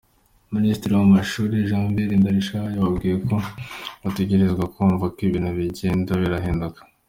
Ministre w'amashure, Janviere Ndirahisha, yababwiye ko bategerezwa kwumva ko ibintu bigenda birahinduka.